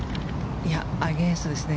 アゲンストですね。